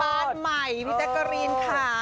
เคยขึ้นบ้านใหม่พี่แต๊กเกอรีนค่ะ